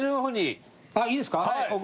あっいいですか？